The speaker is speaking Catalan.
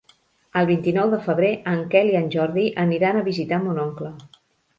El vint-i-nou de febrer en Quel i en Jordi aniran a visitar mon oncle.